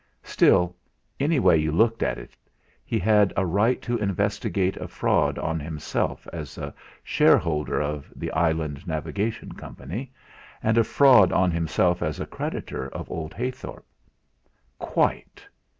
Still, anyway you looked at it, he had a right to investigate a fraud on himself as a shareholder of "The Island Navigation Company," and a fraud on himself as a creditor of old Heythorp. Quite!